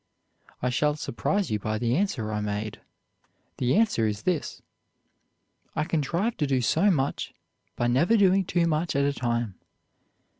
I shall surprise you by the answer I made. The answer is this 'I contrive to do so much by never doing too much at a time.